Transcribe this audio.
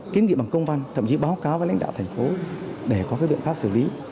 kiến nghị bằng công văn thậm chí báo cáo với lãnh đạo thành phố để có cái biện pháp xử lý